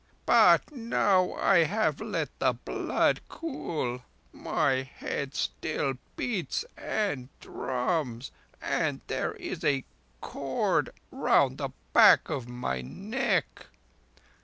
But now I have let the blood cool, my head still beats and drums, and there is a cord round the back of my neck."